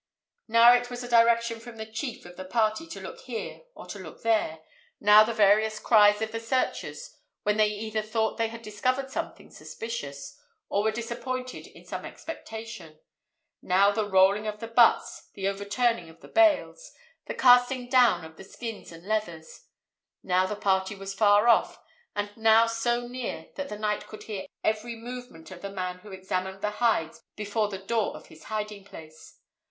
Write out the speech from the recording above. Now it was a direction from the chief of the party to look here or to look there; now the various cries of the searchers when they either thought they had discovered something suspicious or were disappointed in some expectation; now the rolling of the butts, the overturning of the bales, the casting down of the skins and leathers; now the party was far off, and now so near that the knight could hear every movement of the man who examined the hides before the door of his hiding place.